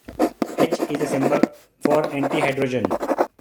H is the symbol for antihydrogen.